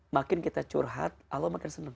makin kita curhat allah makin senang